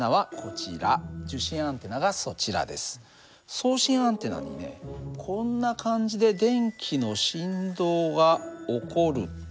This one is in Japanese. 送信アンテナにねこんな感じで電気の振動が起こると。